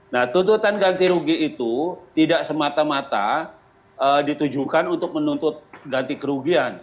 nah tuntutan ganti rugi itu tidak semata mata ditujukan untuk menuntut ganti kerugian